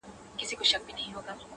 رنګ په وینو د خپل ورور او د تربور دی.!